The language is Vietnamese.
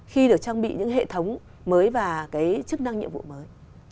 khi được trang bị những hệ thống mới và cái chức năng nhiệm vụ mới